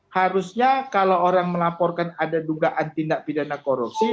harusnya kalau orang melaporkan ada dugaan tindak pidana korupsi